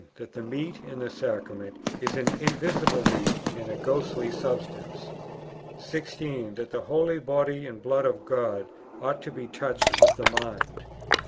That the meat in the Sacrament is an invisible meat and a ghostly substance. 16. That the holy Body and Blood of thy God ought to be touched with the mind.